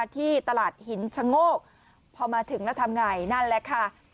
ที่ตลาดหินชะโงกพอมาถึงแล้วทำไงนั่นแหละค่ะ